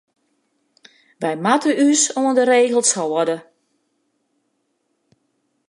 Wy moatte ús oan de regels hâlde.